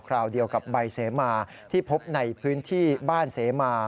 ราวเดียวกับใบเสมาที่พบในพื้นที่บ้านเสมา